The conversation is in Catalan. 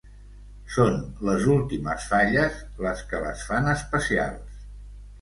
Són les últimes falles, les que les fan especials.